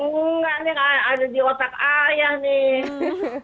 enggak nih ada di otak ayah nih